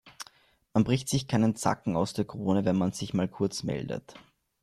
Man bricht sich keinen Zacken aus der Krone, wenn man sich mal kurz meldet.